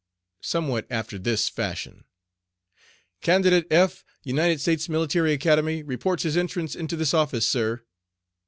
*Somewhat after this fashion: "Candidate F , United States Military Academy, reports his entrance into this office, sir."